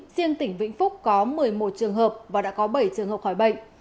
riêng tỉnh vĩnh phúc có một mươi một trường hợp và đã có bảy trường hợp khỏi bệnh